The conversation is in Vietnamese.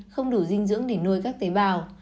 không đủ dinh dưỡng để nuôi các tế bào